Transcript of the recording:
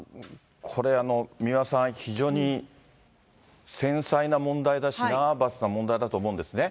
三輪さん、非常に繊細な問題だし、ナーバスな問題だと思うんですね。